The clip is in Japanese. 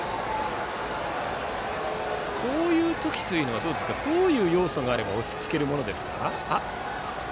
こういう時はどういう要素があれば落ち着けるものですか。